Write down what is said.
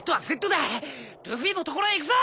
ルフィのところへ行くぞ！